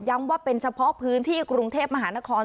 ว่าเป็นเฉพาะพื้นที่กรุงเทพมหานคร